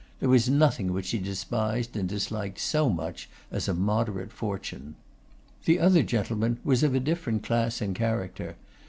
There was nothing which he despised and disliked so much as a moderate fortune. The other gentleman was of a different class and character.